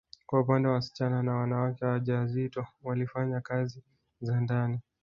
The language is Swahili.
Kwa upande wa wasichana na wanawake wajawazito walifanya kazi za ndani